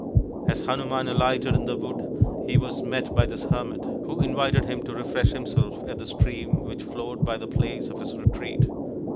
As Hanuman alighted in the wood he was met by this hermit, who invited him to refresh himself at the stream which flowed by the place of his retreat.